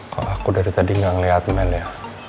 kalo aku dari tadi gak ngeliat mel ya